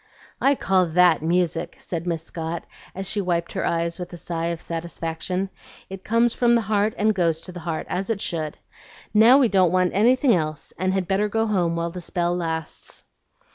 "I call THAT music," said Miss Scott, as she wiped her eyes with a sigh of satisfaction. "It comes from the heart and goes to the heart, as it should. Now we don't want anything else, and had better go home while the spell lasts."